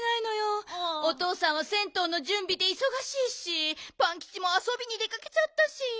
おとうさんは銭湯のじゅんびでいそがしいしパンキチもあそびに出かけちゃったし。